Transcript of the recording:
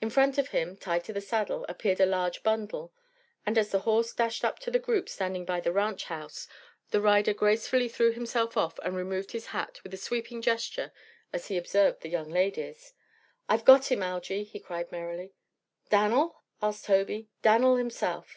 In front of him, tied to the saddle, appeared a huge bundle, and as the horse dashed up to the group standing by the ranch house the rider gracefully threw himself off and removed his hat with a sweeping gesture as he observed the young ladies. "I've got him, Algy!" he cried merrily. "Dan'l?" asked Tobey. "Dan'l himself."